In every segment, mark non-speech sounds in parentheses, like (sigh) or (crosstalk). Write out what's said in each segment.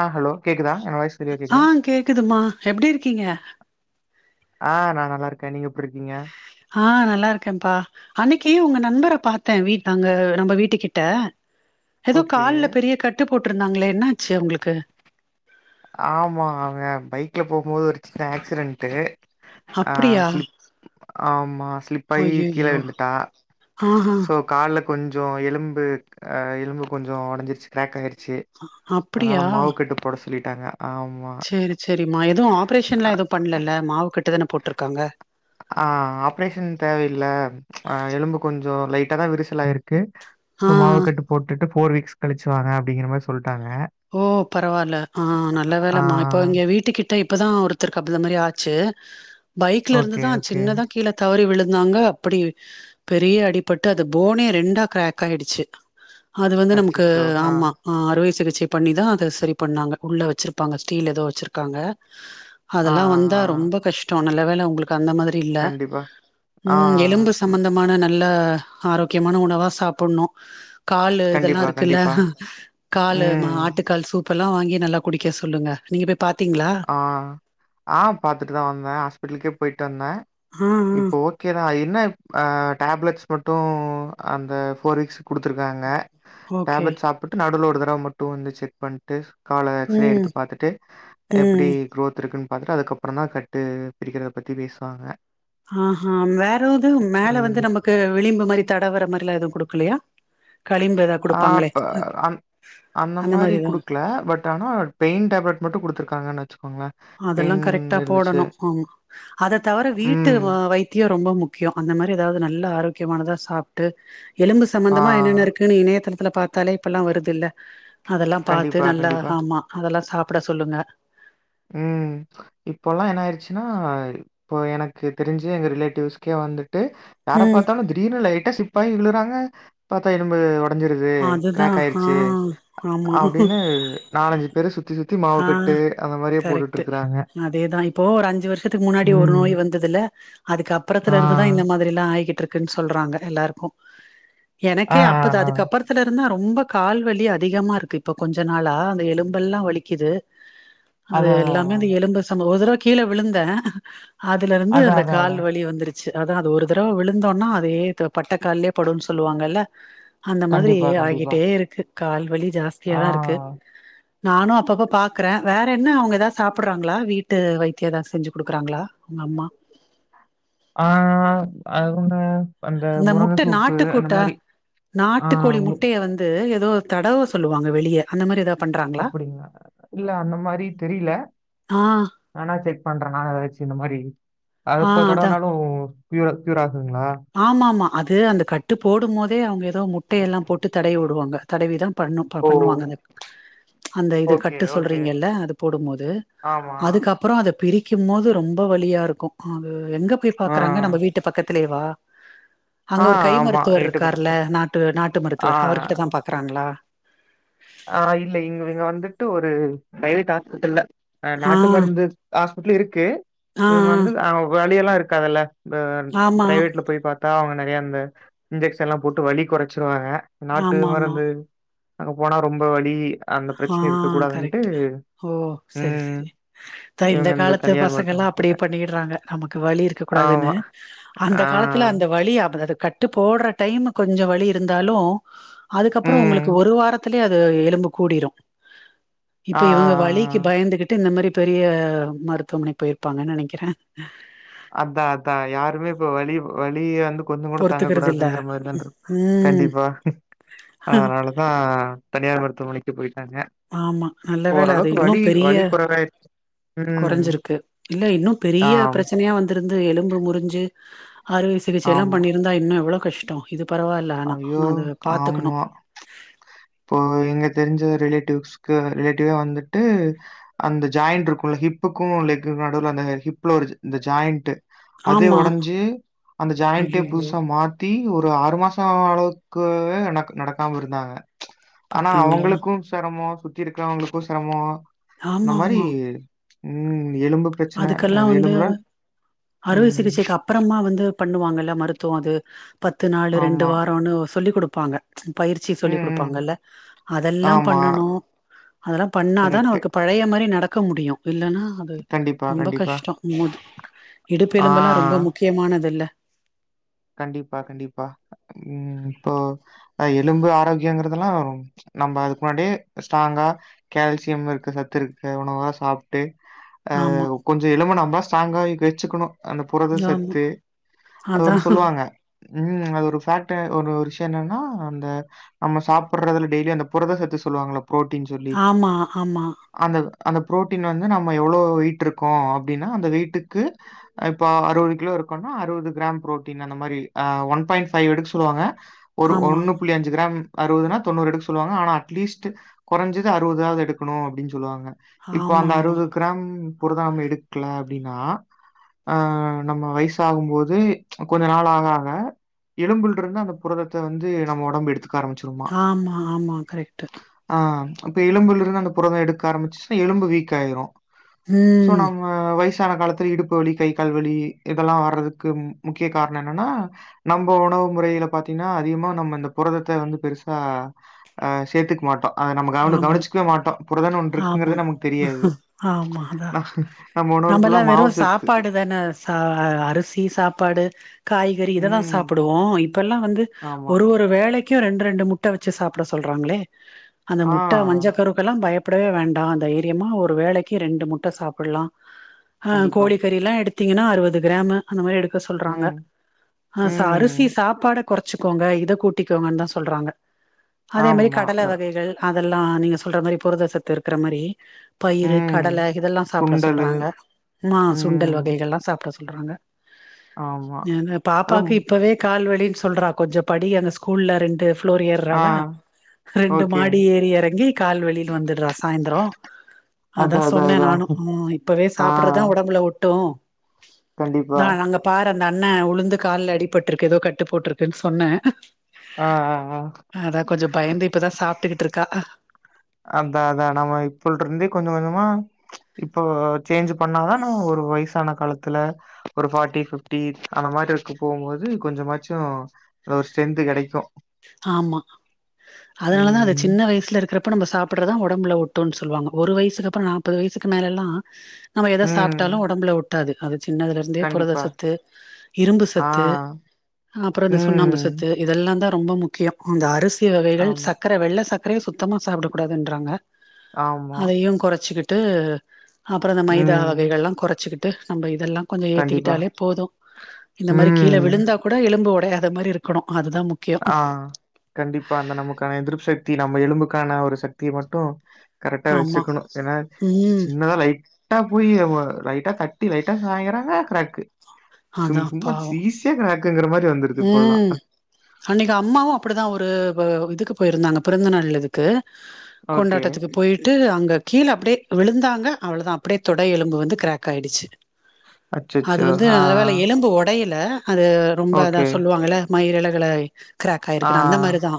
ஆ hello கேக்குதா? என் voice தெளிவா ஆ கேக்குதா? கேக்குதுமா எப்டி இருக்கீங்க ஆ நா நல்லாருக்கே நீங்க எப்டிருக்கீங்க ஆ நல்லா இருக்கேம்ப்பா அன்னைக்கு உங்க நண்பர பாத்தே வீட் அங்க நம்ம வீட்டு கிட்ட ஏதோ ஓகே. கால்ல பெரிய கட்டு போட்டிருந்தாங்ளே என்னாச்சு அவுங்களுக்கு ஆமா அவே பைக்ல போவு போது ஒரு சின்ன ஆக்சிடென்ட்டு ஆ அப்டியா ஸ்லிப் ஆமா ஸ்லிப்பாகி கீழே ஐயையோ ழுந்துட்டா ஆஹா சோ காலு கொஞ்ச எலும்பு அ எலும்பு கொஞ்ச உடைஞ்சு கிராக் ஆயிரு ச்சு அதனால அப்டியா மாவுக்கட்டு போட சொல் சேரி சேரிம்மா எதுவு ஆப்ரேஷன்லா எதுவு பண்லல்ல மாவுக்கட்டு தான போட்ருக்காங்க ஆ ஆப்ரேஷன் தேவையில்ல. டென விரசலாயிருக்கு ஆ மாவுக்கட்டு போட்டுட்டு ஃபோர் வீக்ஸ் கழிச்சுவாங்க அப்டிங்கிற மாரி சொல்ட் ஓ பரவால ஆ நல்ல ஆ வேலமா இப்போ இங்க வீட்டுக்கிட்ட இப்பதா ஒருத்தர்க்கு அப்ப அதமாரி ஆச்சு பைக்ல ஓகே, இருந்துதா ஓகே. சின்னதா கீழ தவறி விழுந் ந்தாங்க அப்டி பெரிய அடிபட்டு அது போனே ரெண்டா கிராக் ஆயிடுச்சு அது வந்து நமக்கு அச்சச்சோ! ஆ, ஆமா அறுவை சிகிச் பண்ணிதா அத சரி பண்ணாங்க உள்ள வச்சிருப்பாங்க ஸ்டீல் எதோ வச்சிருக்காங்க ஆ, அதெல்லா ஆ, வந்தா ஆ. ரொம்ப கஷ்ட நல்லவேல உங்ளுக்கு அந்த மாரி இல்ல கண்டிப்பா. ஆ, ம் எலும்பு ம். சம்பந்தமான நல்ல ஆரோக்யமான உணவா சாப்புடணு காலு இதெல்லா கண்டிப்பா, இருக்குல்ல கண்டிப்பா. காலு ம். ஆட்டுக்கால் சூப்பெல்லா வாங்கி நல்லா குடிக்க சொல்லுங்க நீங்க போய் பா ஆ ஆ பாத்துட்டுதா வந்தே ஹாஸ்பிட்லுக்கே போய்ட்டு வந்தே ஆ ஆ இப்போ ஓகேதா இ என்னப் அ டேப்லெட்ஸ் மட்டு அந்த ஃபோர் வீக்ஸ் குடுத்துருக்காங்க ஓகே டேப்லெட் சாப்புட்டு நடுல ஒரு தரவ மட்டு வந்து செக் பண்ட்டு கால எக்ஸ்ரே ம் எடுத்து பாத்துட்டு எப்டி ம் குரோத் ருக்குன்னு பாத்ட்டு அதுக்கப்பற தா கட்டு பிரிக்கறத பத்தி பேசுவாங்க ஆ ஹ வேறவுது மேல ம். வந்து நமக்கு விளிம்பு மாரி தடவரற மாரிலா எதுவு குடுக்கலயா அ ப்ப அந் அந்த மாரி குடுக்ல பட் ஆனா பெயின் டேப்லெட் மட்டு குடுத்துருக்காங்க ந அதெல்லா கரெக்டா போடணு ஆமா அத தவர வீட்டு ம். வைத்திய ரொம்ப முக்கியொ அந்த மாரி ஏதாவது நல்லா ஆரோக்கியமானதா சாப்ட்டு எலும்பு ஆ. சம்பந்தமா என்னென்ன இருக்குன்னு இணையதளத்துல பாத்தாலே இப்பெல்லா வருதுல்ல அதெல்லா கண்டிப்பா, பாத்து நல்லா கண்டிப்பா. ஆமா அதெல்லா சாப்பட சொல்லுங்க ம் இப்போலா என்னாயிருச்சுனா இப்போ எனக்கு தெரிஞ்சு எங்க ரிலேட்டிவ்ஸ்க்கே வந் து யார ம் பாத்தாலு திடீர்னு லைட்டா ஸ்லிப்பாயி விழுறாங்கா பாத்தா எழும்பு ஒட ஒடஞ்ருது அதுதா கிராக் ஆ ஆயிருச்சு ஆமா அப்டின்னு நாலஞ்சு பேரு சுத்தி சுத் த்தி மாவுகட்டு அ கரெக்டு அதேதா இப்போ ஒரு அஞ்சு வருஷத்துக் முன்னாடி ஒரு ம். நோய் வந்துதில்ல ஆ. அதுக்கப்புறத்துல இருந் இதுதா இந்த மாதிரிலா ஆய்கிட்டு ருக் கின் சொல்டறாங்க எல்லாருக்கு ஆ, எனக்கே ஆ, அப்பதா ஆ. அதுக்கு கப்பறத்திலிருந்தா ரொம்ப க கால்வலி அதிகமாருக்கு இப்ப கொஞ்ச நாளா அங்க எலுபெல்லா வலிக்குது. அது அதான், அதான், எல்லாமேந்து அதான். எலும்பு சம ஒரு தடவ கீழ விழுந்த அதுலருந்து அதான், அந்த அதான், கால் அதான். வலி வந்துரு சு அதா அது ஒரு தரவ விழுந்தோனா அதே தா பட்டக்கால்லே படுன்னு சொல்லுவாங்கல்ல. அந்த கண்டிப்பா, மாதிரியெ கண்டிப்பா. ஆய்கிட்டேருக்கு கால்வலி ஆ ஜாஸ்தியாதா ருக்கு நானு அப் பப்பப பாக்கற வேற என்ன அவங்க ஏதா சாப்டறாங்களா வீட்டு வைத்திய எதா செஞ்சு குடுக்குறாங்களா உங்க அம்மா. (inaudible) ஆ அதுஉண்டு. ந்த முட்ட நாட்டுக்கொட்டா ஆ நாட்டுக்கோழி மு- முட்டைய வந்து எ எதொ தடவ சொல்லுவங்க வெளியே அந்த மாரி ஏதாவது. அப்புடிங்களா இல்ல அந்த மாரி தெரியில்ல ஆ ஆனா செக் பண்ற நானு அதவெச்சு இந்த மாரி ஆ அதுப்ப தொடர்நாலு ப்யு பூயுரா ஆமா ஆமா அது அந்த கட்டு போடு மோதே அவங்க தொ முட்டையெல்லா போட்டு தடவி உடுவாங்க தடவிதா பண்ணு ஓ பண்ணுவாங்க அத க அந்த இது ஓகே கட்டு ஓகே சொல்றீங்கல்ல அது போடும்மோது ஆமா அதுக்கப்புறொ அத பிரிக்கும் மொது ரொம்ப வழியா ருக்கு அங்க எங்க போய் ஆ பாக்கறாங்க நம்ப வீட்டு பக்கத்திலேவா. அங்க ஆ ஒரு கை ஆமா எயிட்டு மருத்துவர்ருக்காருல்ல பக்கத்துல நாட்டு நாட்டு ஆ மருத்துவர் அவர்கிட்ட தா பாக்றாங்களா. ம் பிரைவேட் ஹாஸ்பெத்ரில்ல அ ஆ நாட்டு மருந்து ஹாஸ்பிட்லு இருக்கு ஆ இவங்க வந்து ஆ அ வழியெல்லா ருக்காதுல்ல. ப ஆமா பிரைவேட்ல போய் பாத்தா அவங்க நெறய இந்த இன்ஜெக்க்ஷன்லா போட்டு வலி கொறச்சிருவாங்க. நாட்டு ஆமா ஆமா மருந்து அங்க போனா ரொம்ப வழி அந்த ஆ பிரச்சனேருக்க கூடாதுன்ட்டு கரெக்ட் ஓ செரி ம் செரி த இந்த இவங்க காலத்து தனியார் பசங்க எல்லா மருத்துவமனைக்கு அப்படியே போயிட்டாங்க. பண்ணிடறாங்க நமக்கு வழி இருக்க கூ காதுனு ஆமா. அந்த ஆ. காலத்துல அந்த வழி அப் அது கட்டு போடற டைம் கொஞ்சொ வழி இருந்தாலு அதுக்கப்புறொ ம். உங்களுக்கு ஒரு வாரத் த்துலே அது எலும்பு கூடிரு. ஆ, இப்ப ஆ, இவங்க ஆ. வழிக்கு பயந்துகிட்டு ந்த மாரி பெரிய மருத்துவமனை போய்ருப்பாங்கனு நினைக்கிற அத்தா அத்தா யாருமே இப்ப வழி வழிய வந்துப் கொஞ்சொ கூட தாங்க பொறுத்துக்கறது இல்ல கூடாதுங்கற மாரிதானருக் ம் கண்டிப்பா அதனாலதா தனியார் மருத்துவமனைக்கு போய் ஆமா நல்ல வேல அது இன்னு பெரிய வலி குறைவாயிருச்சு. ம். கொறஞ்சுருக்கு இல்ல இன்னு பெரிய ஆம், ப்ரச்சனையா வந் துருந்து எலும்பு முறிஞ்சு அறுவை சிகிச்சைலா ஆமா. பண்ணிருந்தா இன்னு எவ்ளோ கஷ்டோ இது பரவால்ல ஆனா ஐயோ! இன்னு அத பாத்துக்கணு ஆமா. இப்போ எங்க தெரிஞ்ச ரிலேட்டிவ்ஸ்கு ரிலேட்டிவே வந்துட்டு அந்த ஜாயிண்ட்ருக்குல ஹி ஹிப்புக்கும் லெக்குக் நடுல அந்த ஹிப்ல ஒரு இந்த ஜாயிண்ட் அதே ஆமா ஒடஞ்சு அந்த ஜாயிண்டே ஐயையோ புதுசா மாத்தி ஒ ஒரு ஆறு மாசோ அளவுக்கு நக் நடக்காம இருந்தாங்க ஆனா பாத்தீங்களா அவங்ளுக்கு சரமோ சுத்தி இருக்கறவங்ளுக்கு சரமோ இந்த ஆமா மாரி ம் எலும்பு பிரச்சனை, அதுக்கல்லா வந்து எலும்புல அறுவை ம் சிகிச்சைக்கு அப்றம்மா வந்து பண்ணுவாங்கல்ல மருத்துவோ அது பத்து நாலு ரெண்டு ஆமா. வாரோனு சொல்லி குடுப்பாங்க பயிற்சி ம், சொல்லி ம். குடுப்பாங்கல்ல அதெல்லா ஆமா. பண்ணணு அதல்லா பண்ணாதா கரெக்ட்டு. நமக்கு பழைய மாரி நடக்க முடியு இல்லனா அது கண்டிப்பா, ரொம்ப கண்டிப்பா. கஷ்டோ மூது இடுப்பெலும்பல்லா ரொம்ப ஆ. முக்கியமானதுல்ல கண்டிப்பா கண்டிப்பா ம் இப்போ எலும்பு ஆரோக்கியங்கற்துலா ரோ நம்ப அதுக்கு முன்னாடியே ஸ்ட்ராங்கா கேல்சியம் இருக்க சத்து இருக்க உணவா சாப்ட்டு ஆ ஆமா கொஞ்ச எலும்ப நாந்தா ஸ்ட்ராங்காகி வெச்சுக்கணு அந்த புரத ஆமா சத்து அது அதா ஒன்னு சொல்வாங்க ம் அது ஒரு ஃபேட்டு ஒரு ஒரு விஷ்யோ என்னன்னா அந்த நம்ம சாப்பறதுல டெய்லி அந்த புரத சத்து சொல்லுவாங்கள ப்ரோட்டின் சொல்லி ஆமா ஆமா அந்த அந்த ப்ரோட்டீன் வந்து நம்ம எவ்ளோ வெய்ட் இருக்கோ அப்டினா அந்த வெய்ட்டுக்கு இப்ப அறுவது கிலோ இருக்கோன்னா அறுவது க்ராம் ப்ரோட் டின் அந்த மாரி ஆ ஒன் பாய்ண்ட் ஃபைவ் எடுக்க சொல்வாங்க ஒரு ஆமா ஒன்னு புள்ளி அஞ்சு க்ராம் அறுவதுனா தொண்ணூறு எடுக்க சொல்லுவாங்க ஆனா அட்லீஸ்ட் கொறஞ்சது அறுவதாவது எடுக்கணு அப்டின் சொல்லுவாங்க இப்ப ஆமா அந்த ஆமா அறுவது க்ராம் புரதம் எடுக்ல அப்டினா ஆ நம்ம வயிசாகும்போது கொஞ்ச நாள் ஆக ஆக எலும்புல்ருந்து அந்த புரதத்த வந்து நம்ம ஒடம்பு எடுத்துக் க ஆரமிச்சுருமா ஆமா ஆமா கரெக்ட்டு ஆ இப்ப எலும்புல்ருந்து அந்த புரத எடுக்க ஆரம்மிச்சுச்சுனா எலும்பு வீக் ஆயிரு சோ ம் நம்ம வய சான காலத்துல இடுப்பு வலி கை கால் வலி இதல்லா வரதுக்கு முக்கிய காரண என்னன்னா நம்ப உணவு முறைல பாத்திங்னா அதிகமா நம்ம இந்த புரதத்த வந்து பெருசா அ சேத்துக்க மாட்டோ அத நம்ம கவன ஆமா கவனிச்சுக்வே மாட்டோ புரதன் ஒன்னு இருக்குங்றதே ஆமா நமக்கு தெரியாது ஆமா அதா ந நம்ம உணவு ஃபுல்லா மாவுசத்து அ சா அரிசி சாப் பாடு காய்கறி இதல்லா ம். சாப்புடுவோ இப்பல்லா வந்து ஆமா. ஒரு ஒரு வேளைக் கே ரெண் ரெண்டு முட்ட வெச்சு சாப்பட சொல்றாங்ளே அந்த ஆ. முட்ட மஞ்ச கருக்கல்லா பயப் படவே வேண்டா தைரியமா ஒரு வேளைக்கு ரெண்டு முட்ட சாப்பல்லா அ கண்டிப்பா. கோழிக்கறிலா எடுத் தீங்கனா அறுவது க்ராமு அந்த மாரி எடுக்க சொல்றாங்க ம். அ ச அரிசி ம். சாப்பாடத் கொறச்சுக்கோங்க இத கூட்டிக்கோங்கன் தா சொல்றாங்க அதே மாரி ஆமா. கடல ந வகைகள் அதல் லா நீங்க சொல்ற மாரி புரத சத்து இருக்குற மாரி பயிரு ம். கடல இதல்லா சாப்பட சுண்டலு. சொல்றாங்க ம்மா சுண்டல் ம். வகைகள்லா சாப்ட சொல்றாங்க ஆமா. எங்க பாப்பாக்கு அதுவும் இப்பவே கால் வலி லின் சொல்றா கொஞ்சோ படி எங்க ஸ்கூல்ல ரெண்டு ஆ. லோரியேற்றாளா ரெண்டு ஓகே. மாடி ஏறி எறங்கி கால்வளின் வந்தற்றா ந்துரும் அதா அதான், அதான், சொன்னே அதான். நானு மு இப்பவே ஆ. சாப்புட்றதா ஒடம்புல ஒட்டு கண்டிப்பா. தா நாங்க பாரு அ ந்த அண்ண உழுந்து கால்ல அடிபட்டுருக்கு எதோ கட்டு போட்டுருக்கு சொன்ன ஆ, ஆ, ஆ. அதா கொஞ்சோ பயந்து இப்பதா சாப்ட்டுகுட்ருக்கா அதா அதா நம்ம இப்பல்ருந்தே கொஞ்சோ கொஞ்சோமா இப்போ சேஞ்ச் பண்ணாதான்ன ஒரு வய்சான காலத்து த்துல ஒரு ஃபாட்டி பிஃப்ட்டி அந்த மாரி இருக்கு போகும்போது கொஞ்சமாச்சு அ ஸ்டென்த்து எடைக்கு ஆமா அதனாலதா அது சின்ன ம். வய்சுல இருக்குறப் ப்ப நம்ம சாப்புட்றதா ஒடம்புல ஒட்டுன் சொல்லுவாங்க ஒரு வயசுக்கு அப்பற நாப்பது வயசுக்கு மேலல்லா நம்ம எத சாப்ட்டாலு ம். ஒடம்புல ஒட்டாது அது சின்னதுலருந்தே கண்டிப்பா. புரதசத்து இரும்பு ஆ. சத்து அப்புற இந்த சுண்ணாம்புசத்து ம். இதல்லாந்தா ரொம்ப முக்கியம் அந்த அரிசி வகைகள் ஆமா, சக்கரை வெள்ளை சக்கரைய சுத்தமா சாப்டக்கூடாதுன்றாங்க ஆமா. அதையு கொறச்சிக்கிட்டு அப்பற இந்த மைதா ம். வகைகள்ளா கொறச்சிக்கிட் து நம்ப இதெல்லா கொஞ்ச கண்டிப்பா. ஏத்திக்கிட்டாலே போது இந்த மாரி கீழ ம். விழுந்தா கூட எலும்பு றாத மாரி இருக்கணு அதுதா முக்கிய ஆ. கண்டிப்பா அந்த நமக்கான எதிர்ப்பு சக்தி நம்ம எலும்புக்கான ஒரு சக்திய மட்டு கரெக்டா ஆமா வெச்சுக்கணு ஏனா உம் சின்னதா லைட்டா போய் நம்ம லைட்டா த ட்டி லைட்டா சாயறாங்க கிராக்கு ச சும் அதான் சும்மா பாவம் சீசியா கிராக்குங்கிற மாரி வந்து ருது இப்பல்லா உம் அன்னைக்கு அம்மாவு அப்டிதா ஒரு இதுக்கு போயிருந்தாங்க பிறந்தநாள் இதுக்கு ஓகே. கொண்டாட்டத்துக்கு போயிட்டு அங் த கீழ அப்டே விழுந்தாங்க அவ்ளதா அப்டே தொட எலும்பு வந்து கிராக்காயிடுச்சு. அது அச்சச்சோ! வந்து ஆ, ஆ. நல்ல வேல எலும்பு ஒடைய ல அது ரொம்ப அதா ஓகே. சொல்லுவாங்கல மயிரிலகுள ஆ, கிராக்காயிருக்குனா அந்த மாரிதா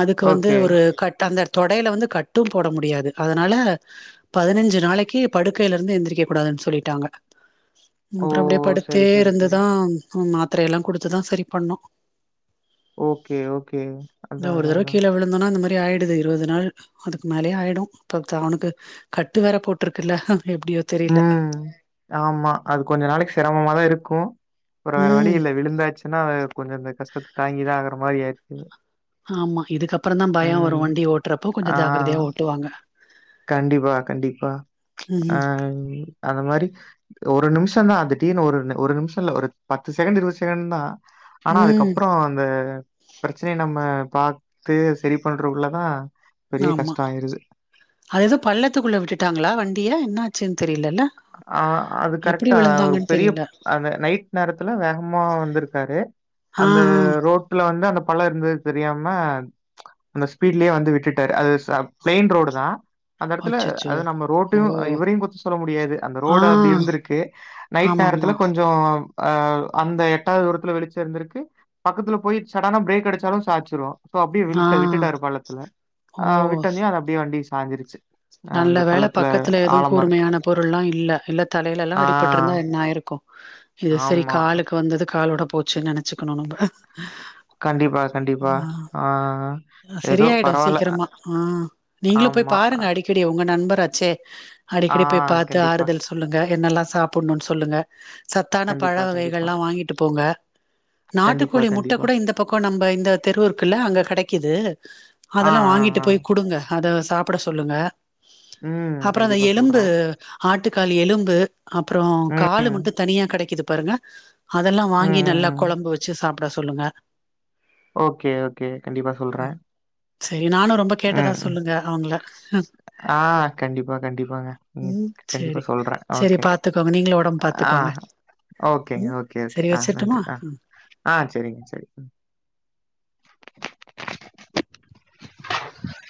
அதுக்கு வந்து ஓகே. ஒரு கட் அந்த தொடையில வந்து கட்டும் போட முடியாது அதனால பதினஞ்சு நாளைக்கு படுக்கையிலருந்து எந்திரிக்க கூடாது சொல்லிட்டாங்க ம் ஓ! அப்றொ அப்டியே படுத்தே சரி, சரி, சரி. இருந்துதா ம் மாத்தரயெல்லா குடுத்துதா சரி பண்ணோ ஓகே ஓகே அதா அதா அதா ப்டி ஆயிடுது இருவது நாள் அதுக்கு மேலே ஆயிடு இப்போதா அவனுக்கு கட்டு வேற போட்டிருக்குல்ல ம் ஆமா அது கொஞ்ச நாளைக் செரமமாதா இருக்கு ப்பறொ வேற வழி ம் இல்ல விழுந்தாச்சுன்னா வே கொஞ்ச இந்த கஷ்டத் தாங்கிதா ஆகுற மாரி ஆயிச்சு ஆமா இதுக்கப்பறந்தா பயொ வரு வண்டி ஓட்றப்போ கொஞ்சொ ஆ. ஜாக்கரதயா ஓட்டுவாங்க கண்டிப்பா, கண்டிப்பா ம் ஆங் அந்த மாரி ஒரு நிம்ஷந்தா திடீர்னு ஒரு நி ஒரு நிமிஷல ஒரு பத்து செகண்ட் இருவது செகண்ட்தா ஆனா ம் அதுக்கப்பறொ அந்த பிரச்சனைய நம்ம பாத்து செரி பண்றக்குள்ளதா ஆமா அத எதோ பள்ளத்துக்குள்ள விட்டுட்டாங்களா வண்டிய என்ன ஆச்சுன் தெரியலல்ல அ அது கரெக்டா ஒரு பெரிய தெரில அந்த நைட் நேரத்துல வேகமா வந்திருக்காரு. ஆ அந்த ஆ ரோட்டுல வந்து அந்த பள்ள இருந்தது தெரியாம அந்த ஸ்பீட்லயே வந்து விட்டுட்டாரு அது ச பிளைன் ரோடுதா அந்த எடத்துல அச்சச்சோ அது நம்ம ஓ ரோட்டையு இவரையுங் குத்த சொல்ல முடியாது அந்த ஆ ரோடு அப்டி இருந்திருக்கு நைட் நேரத்துல ஆமாமா கொஞ்சொ அ அந்த எட்டாதூரத்துல வெளிச்சருந்திருக்கு பக்கத்துல போய் சடனா பிரேக் அடிச்சாலு சாச்சுரு சோ அப்டியே ஆ விட்ட விட்டுட்டாரு பள்ளத்துல ஓ அ விட்டதியு அது அப்டியே வண்டி சாஞ்சிருச்சு. நல்ல வேல பக்கத்துல எதுவு இருக்கு. கூர்மையான பொருள்ளா இல்ல. இல்ல தலைலல்லா ஆ அடிபட்ருந்தா என்னாயிருக்கு இது சரி ஆமா. காலுக்கு வந்தது காலோட போ போச்சுன் நெனச்சுக்கணு நம்ப கண்டிப்பா, கண்டிப்பா. ஆ அ ஏதோ சரியாயிடு பரவால்ல. அ சீக்கிரமா ஆ நீங்களு போய் ஆமா. பாருங்க அடிக்கடி உங்க நண்பராச்சே ஆ அடிக்கடி போய் பாத்து கண்டிப்பா, ஆறுதல் சொல்லுங்க என்னெல்லா சாப்புட்னுன் சொல்லுங்க சத்தான கண்டிப்பா, பழவக கண்டிப்பா. கைகள்ளா வாங்கிட்டு போங்க. கண்டிப்பா, நாட்டுக்கோழி முட்ட கண்டிப்பா. கூட இந்த பக்கொ நம்ப இந்த தெரு இருக்குள்ள அங்க கெடைக்குது ஆ, அதெல்லா வாங் ஆ, ங்கிட்டு ஆ. போய் குடுங்க அத சாப்ட சொல்லுங்க. ம் அப்பறொ அந்த கண்டிப்பா எலும்பு சொல்றேன். ஆட்டுக்கால் எலும்பு அப்பறொ ம். கால் மட்டு ம், தனியா கெடைக்குது பாருங்க அதெல்லா வாங்கி ம், நல்லா ம். கொழம்பு வச்சு சாப்பிட சொல்லுங்க. ஓகே ஓகே கண்டிப்பா சொல்ற சரி நானு ரொம்ப கேட்டதா சொல்லுங்க அவங்கள ஆ கண்டிப்பா கண்டிப்பாங்க ம் கண்டிப்பா சொல்ற சரி ஓகே பாத்துக்கோங்க நீங்களு ஒடம்பு ஆ பாத்துக்கோங்க ஓகேங்க ம் ஓகே ஓகே சரி ஆ வச்சிர்ட்டுமா நன்றி ஆ ஆ சரிங்க சரி